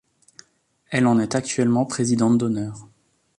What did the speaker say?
Elle en est actuellement présidente d'honneur.